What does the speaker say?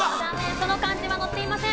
その漢字は載っていません。